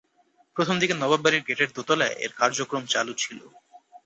প্রথমদিকে নবাব বাড়ীর গেটের দোতালায় এর কার্যক্রম চালু ছিল।